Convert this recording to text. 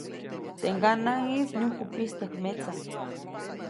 Teʼ ŋganaʼŋis nyujku pistäjk metsa.